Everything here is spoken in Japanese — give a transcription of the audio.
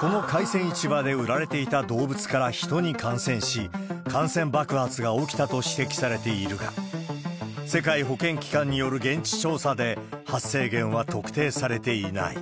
この海鮮市場で売られていた動物からヒトに感染し、感染爆発が起きたと指摘されているが、世界保健機関による現地調査で、発生源は特定されていない。